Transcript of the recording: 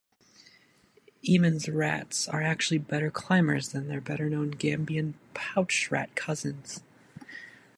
Emin's rats are actually better climbers than their better known Gambian pouched rat cousins.